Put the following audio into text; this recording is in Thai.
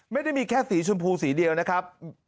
ไม่ได้มีแค่สีชมพูสีเดียวนะครับ